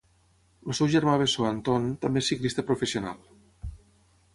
El seu germà bessó Anton també és ciclista professional.